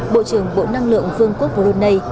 bộ trưởng bộ năng lượng vương quốc brunei